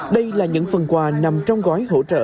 đây là những phần quà nằm trong gói hỗ trợ